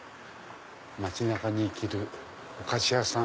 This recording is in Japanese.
街中に生きるお菓子屋さん。